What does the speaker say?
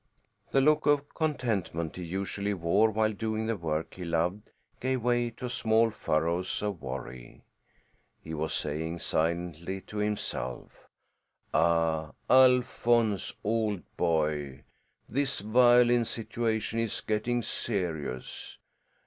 The look of contentment he usually wore while doing the work he loved gave way to small furrows of worry. He was saying silently to himself: "Ah, Alphonse, old boy, this violin situation is getting serious.